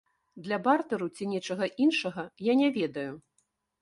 Для бартэру ці нечага іншага, я не ведаю.